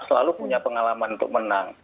selalu punya pengalaman untuk menang